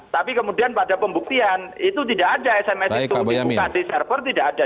tapi kemudian pada pembuktian itu tidak ada sms itu dibuka di server tidak ada